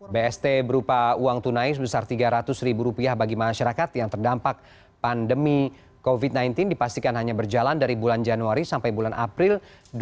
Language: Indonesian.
bst berupa uang tunai sebesar tiga ratus ribu rupiah bagi masyarakat yang terdampak pandemi covid sembilan belas dipastikan hanya berjalan dari bulan januari sampai bulan april dua ribu dua puluh